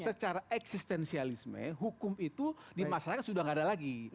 secara eksistensialisme hukum itu dimasalahkan sudah tidak ada lagi